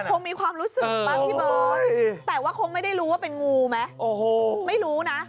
คงมีความรู้สึกบ้างพี่เบิร์ตแต่ว่าคงไม่ได้รู้ว่าเป็นงูไหมโอ้โหไม่รู้นะ